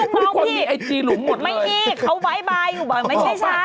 ทุกคนมีไอจีหลุมหมดเลยไปบายบายไม่ใช่ฉัน